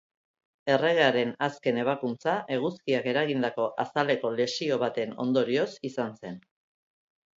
Erregearen azken ebakuntza eguzkiak eragindako azaleko lesio baten ondorioz izan zen.